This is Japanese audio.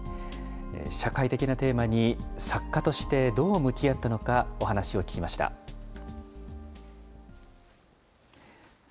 社会的なテーマに、作家としてどう向き合ったのか、お話を聞きました。